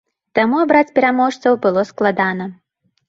Таму абараць пераможцаў было складана.